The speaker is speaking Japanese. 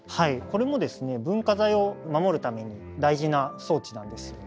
これも文化財を守るために大事な装置なんですよ。